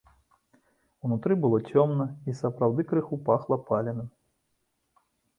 Унутры было цёмна і сапраўды крыху пахла паленым.